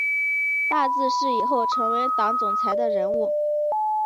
大字是以后成为党总裁的人物